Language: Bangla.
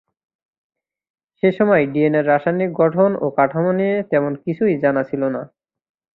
সেসময় ডিএনএ-র রাসায়নিক গঠন ও কাঠামো নিয়ে তেমন কিছুই জানা ছিল না।